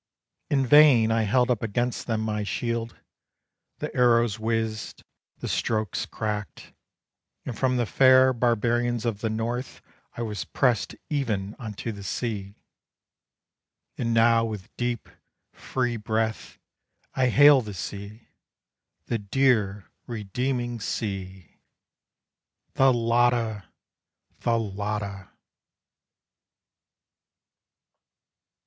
In vain I held up against them my shield, The arrows whizzed, the strokes cracked, And from the fair barbarians of the North I was pressed even unto the sea. And now with deep, free breath, I hail the sea, The dear, redeeming sea Thalatta! Thalatta!